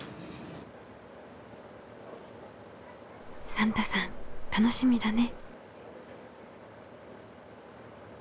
サンタさん楽しみだね。